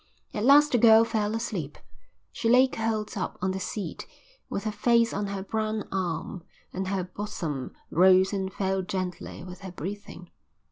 At last the girl fell asleep. She lay curled up on the seat, with her face on her brown arm, and her bosom rose and fell gently with her breathing.